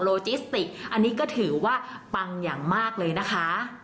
จิสติกอันนี้ก็ถือว่าปังอย่างมากเลยนะคะ